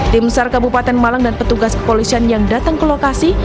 tim sar kabupaten malang dan petugas kepolisian yang datang ke lokasi